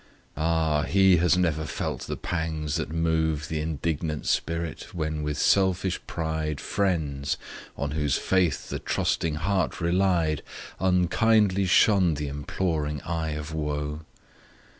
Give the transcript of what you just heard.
Ah! he has never felt the pangs that move Th' indignant spirit, when with selfish pride Friends, on whose faith the trusting heart relied, Unkindly shun th' imploring eye of woe!